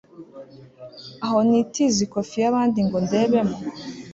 aho nitiza ikofi y'abandi ngo ndebemo